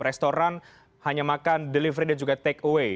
restoran hanya makan delivery dan juga takeaway